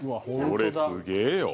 これすげえよ